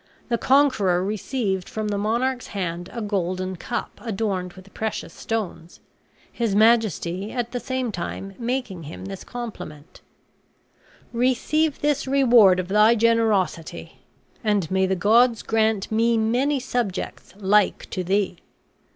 The conqueror received from the monarch's hand a golden cup adorned with precious stones, his majesty at the same time making him this compliment: "Receive this reward of thy generosity, and may the gods grant me many subjects like to thee."